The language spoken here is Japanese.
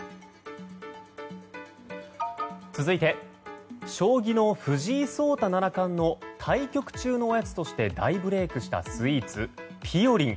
続いて将棋の藤井聡太七冠の対局中のおやつとして大ブレークしたスイーツ、ぴよりん。